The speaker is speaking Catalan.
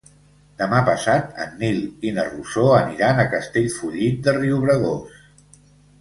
Demà passat en Nil i na Rosó aniran a Castellfollit de Riubregós.